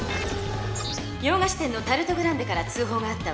洋菓子店のタルト・グランデから通ほうがあったわ。